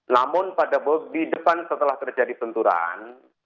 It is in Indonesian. namun pada di depan setelah terjadi senturan